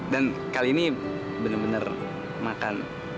dan kali ini bener bener makan